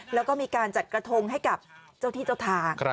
แล้วก็มีการจัดกระทงให้กับเจ้าที่เจ้าทาง